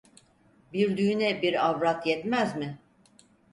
Bir düğüne bir avrat yetmez mi?